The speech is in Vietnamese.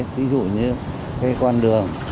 ví dụ như con đường